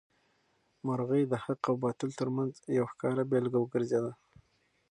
مرغۍ د حق او باطل تر منځ یو ښکاره بېلګه وګرځېده.